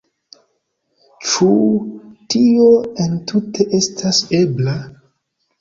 Ĉu tio entute estas ebla?